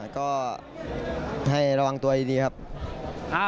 ก็ให้ระวังตัวดีครับ